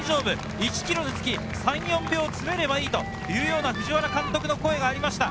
１ｋｍにつき３４秒詰めればいいというような藤原監督の声がありました。